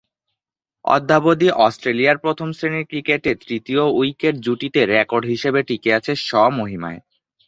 অদ্যাবধি অস্ট্রেলিয়ায় প্রথম-শ্রেণীর ক্রিকেটে তৃতীয় উইকেট জুটিতে রেকর্ড হিসেবে টিকে আছে স্ব-মহিমায়।